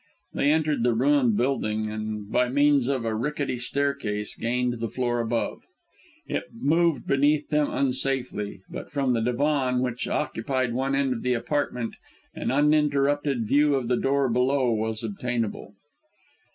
They entered the ruined building and, by means of a rickety staircase, gained the floor above. It moved beneath them unsafely, but from the divan which occupied one end of the apartment an uninterrupted view of the door below was obtainable.